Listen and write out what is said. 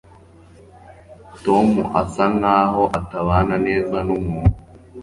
tom asa nkaho atabana neza numuntu